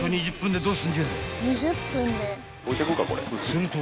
［すると］